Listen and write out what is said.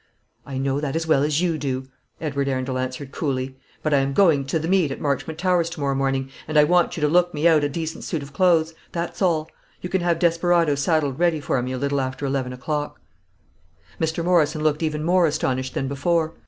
"I know that as well as you do," Edward Arundel answered coolly; "but I am going to the meet at Marchmont Towers to morrow morning, and I want you to look me out a decent suit of clothes that's all. You can have Desperado saddled ready for me a little after eleven o'clock." Mr. Morrison looked even more astonished than before.